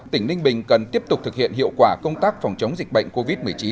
tỉnh ninh bình cần tiếp tục thực hiện hiệu quả công tác phòng chống dịch bệnh covid một mươi chín